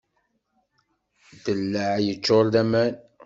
Ddellaɛ yeččur d aman.